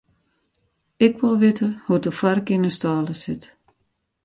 Ik wol witte hoe't de foarke yn 'e stâle sit.